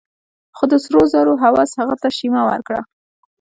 خو د سرو زرو هوس هغه ته شيمه ورکړه.